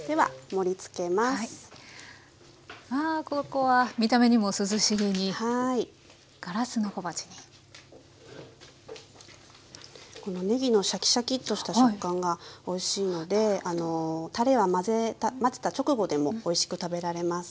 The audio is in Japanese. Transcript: このねぎのシャキシャキッとした食感がおいしいのでたれは混ぜた直後でもおいしく食べられます。